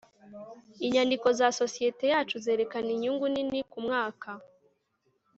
inyandiko za sosiyete yacu zerekana inyungu nini kumwaka